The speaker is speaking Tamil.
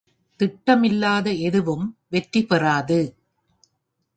திட்டமில்லாத எதுவும் வெற்றி பெறாது.